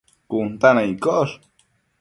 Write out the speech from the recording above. cun ta na iccosh